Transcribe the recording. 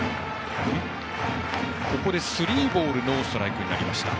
ここでスリーボールノーストライクになりました。